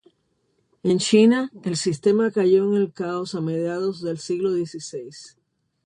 En China, el sistema cayó en el caos a mediados del siglo xvi.